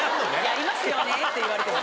「やりますよね」って言われても。